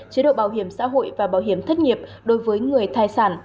chế độ bảo hiểm xã hội và bảo hiểm thất nghiệp đối với người thai sản